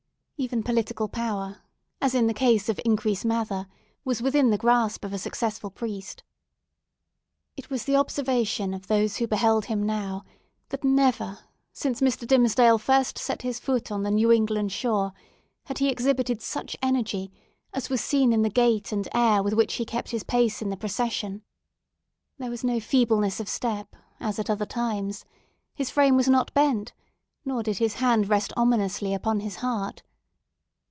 Even political power—as in the case of Increase Mather—was within the grasp of a successful priest. It was the observation of those who beheld him now, that never, since Mr. Dimmesdale first set his foot on the New England shore, had he exhibited such energy as was seen in the gait and air with which he kept his pace in the procession. There was no feebleness of step as at other times; his frame was not bent, nor did his hand rest ominously upon his heart.